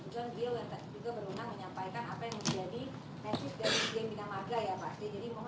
jadi kebetulan dia juga berundang menyampaikan apa yang menjadi mesis dari binamarga ya pak